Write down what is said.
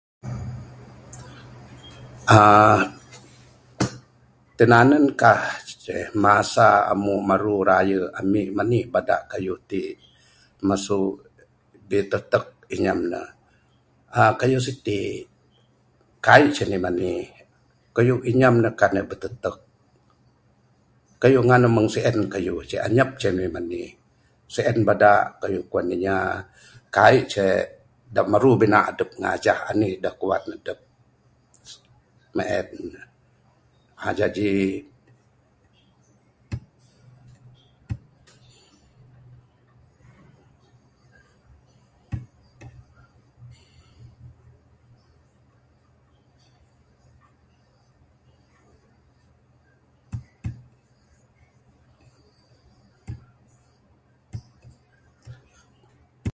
uhh tinanun kah ceh masa amu perlu raye anih bada kayuh ti masu bitutuk inyam nuh. uhh kayuh siti kaii ceh manih manih, kayuh inyam nuh kan nuh bitutuk kayuh ngan nuh mung sien kayuh ceh, anyap ceh manih manih sien bada kayuh kuan inya, kaii ceh da marubina adup ngajah anih da kuan adup mung en. uhh jaji